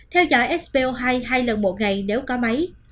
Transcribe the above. theo dõi spo hai hai lần một ngày nếu có máy